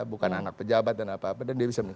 bukan anak pejabat dan apa apa